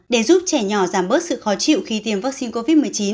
để giúp trẻ nhỏ giảm bớt sự khó chịu khi tiêm vaccine covid một mươi chín